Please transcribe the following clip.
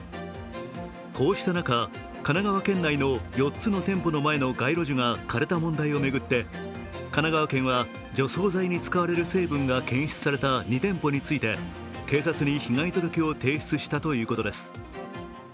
こうした中、神奈川県内の４つの店舗の前の街路樹が枯れた問題を巡って神奈川県は除草剤に使われる成分が検出された２店舗について警察に被害届を提出したということです。